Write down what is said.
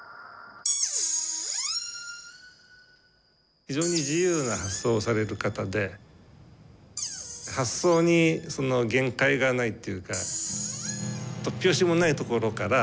非常に自由な発想をされる方で発想に限界がないっていうか突拍子もないところから